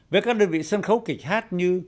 với các đơn vị sân khấu kịch hát như